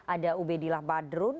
ada ubedillah badrun